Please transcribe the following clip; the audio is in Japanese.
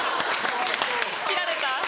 切られた。